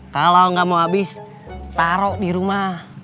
kalau gak mau abis taruh di rumah